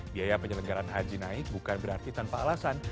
biaya penyelenggaran haji naik bukan berarti tanpa alasan